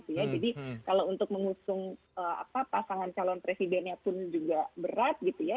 jadi kalau untuk mengusung pasangan calon presidennya pun juga berat gitu ya